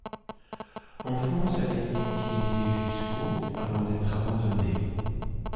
En France, elle a été utilisée jusqu'au avant d'être abandonnée.